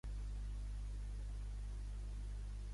Tu creus, Rosa, que m'alleuges o em reconfortes?